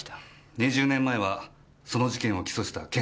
２０年前はその事件を起訴した検察官でした。